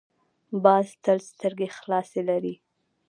باز تل سترګې خلاصې لري